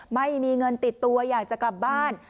ไม่มีเงินติดตัวอยากจะกลับบ้าน